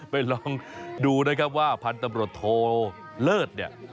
ไปลองดูนะครับว่าพันธมรถโทเลิศ